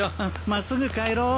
真っすぐ帰ろう。